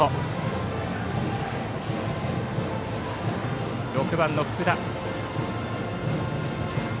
バッターは６番の福田。